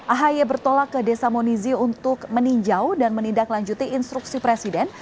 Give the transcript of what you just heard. ahy bertolak ke desa monizi untuk meninjau dan menindaklanjuti instruksi presiden